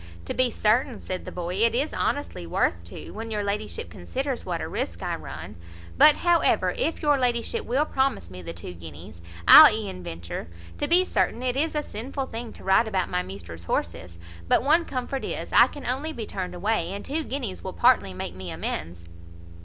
"To be certain," said the boy, "it is honestly worth two, when your ladyship considers what a risk I run; but, however, if your ladyship will promise me the two guineas, I'll e'en venture: to be certain it is a sinful thing to ride about my measter's horses; but one comfort is, I can only be turned away, and two guineas will partly make me amends."